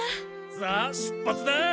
さあ出発だ！